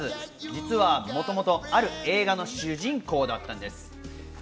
実はもともとある映画の主人公だったんです。